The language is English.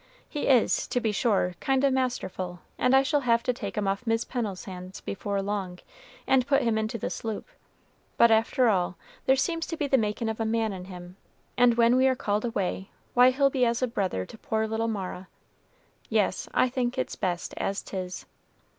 He is, to be sure, kind o' masterful, and I shall have to take him off Mis' Pennel's hands before long, and put him into the sloop. But, after all, there seems to be the makin' of a man in him, and when we are called away, why he'll be as a brother to poor little Mara. Yes, I think it's best as 't is."